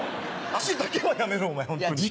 足だけはやめろお前ホントに。